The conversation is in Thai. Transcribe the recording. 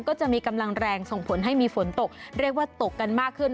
ก็จะมีกำลังแรงส่งผลให้มีฝนตกเรียกว่าตกกันมากขึ้น